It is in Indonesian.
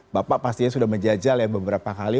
bapak pastinya sudah menjajal ya beberapa kali